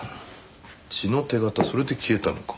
血の手形それで消えたのか。